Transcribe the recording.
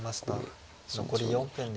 残り４分です。